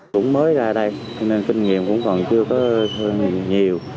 cũng mới ra đây nên kinh nghiệm cũng còn chưa có hơn nhiều